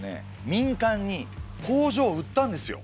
民間に工場を売ったんですよ。